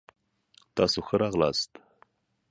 تاسو ښه راغلاست.